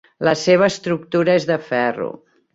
La seva estructura és de ferro.